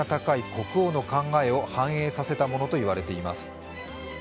国王の考えを反映させたものと言われています。